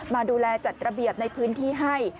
มาดูแลจัดระเบียบในพื้นที่ให้